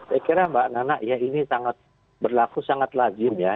saya kira mbak nana ya ini sangat berlaku sangat lazim ya